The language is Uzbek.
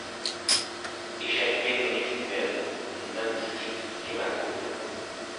• Eshakka minish ― uyat, undan tushish ― ikki marta uyat.